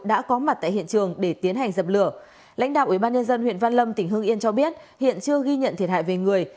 đã có mặt tại hiện trường để tiến hành dập lửa lãnh đạo ubnd huyện văn lâm tỉnh hương yên cho biết hiện chưa ghi nhận thiệt hại về người